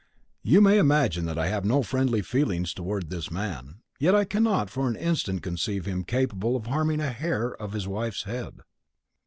You may imagine that I have no friendly feeling towards this man, yet I cannot for an instant conceive him capable of harming a hair of his wife's head."